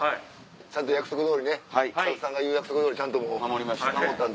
ちゃんと約束どおりねスタッフさんが言う約束どおりちゃんと守ったんで。